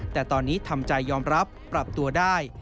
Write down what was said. แต่ตอนนี้ทำใจยอมรับปรับตัวได้